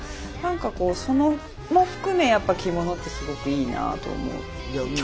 なんかこうそれも含めやっぱ着物ってすごくいいなと思いました。